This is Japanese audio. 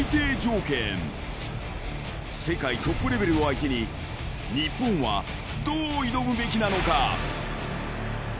［世界トップレベルを相手に日本はどう挑むべきなのか！？］